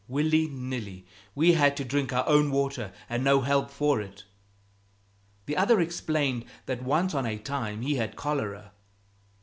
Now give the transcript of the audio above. Willy nilly, we had to drink our own water, and no help for it." The other explained that once on a time he had cholera.